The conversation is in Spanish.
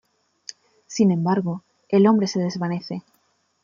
Sin embargo, el hombre se desvanece.